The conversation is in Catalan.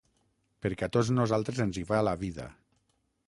Perquè a tots nosaltres ens hi va la vida.